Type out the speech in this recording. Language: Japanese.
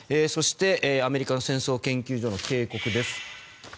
そしてアメリカ戦争研究所の警告です。